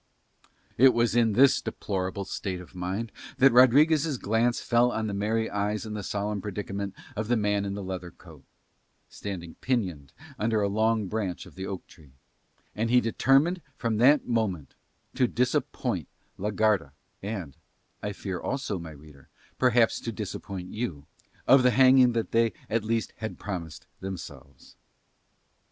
It was in this deplorable state of mind that Rodriguez' glance fell on the merry eyes and the solemn predicament of the man in the leather coat, standing pinioned under a long branch of the oak tree: and he determined from that moment to disappoint la Garda and, I fear also, my reader, perhaps to disappoint you, of the hanging that they at least had promised themselves.